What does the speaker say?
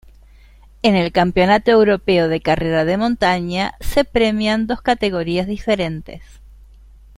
En el Campeonato Europeo de Carrera de Montaña se premian dos categorías diferentes.